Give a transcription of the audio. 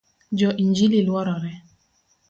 Jo injili luorore